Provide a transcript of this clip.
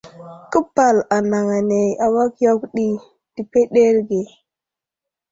Képal anaŋ ane awak yakw ɗi təpəɗerge.